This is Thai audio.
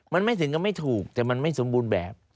มันไม่ถึงกับไม่ถูกแต่มันไม่สมบูรณ์แบบ